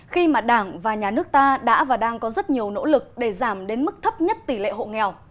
khi mà đảng và nhà nước ta đã và đang có rất nhiều nỗ lực để giảm đến mức thấp nhất tỷ lệ hộ nghèo